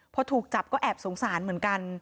พอถูกจับก็แอบสงสารเหมือนกัน